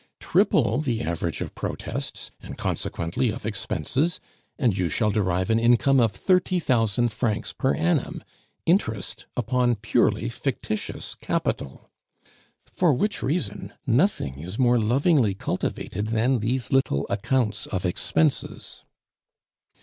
Triple the average of protests, and consequently of expenses, and you shall derive an income of thirty thousand francs per annum, interest upon purely fictitious capital. For which reason, nothing is more lovingly cultivated than these little "accounts of expenses."